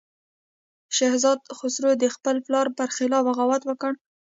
شهزاده خسرو د خپل پلار پر خلاف بغاوت وکړ.